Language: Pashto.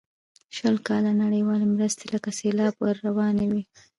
شل کاله نړیوالې مرستې لکه سیلاب ور روانې وې.